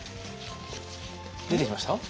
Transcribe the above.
出てきました？